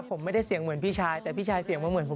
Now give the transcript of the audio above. ผมไม่ได้เสียงเหมือนพี่ชายแต่พี่ชายเสียงมันเหมือนผม